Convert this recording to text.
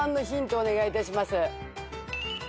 お願いいたします。